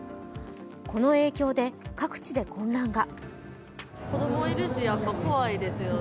この影響で各地で混乱が。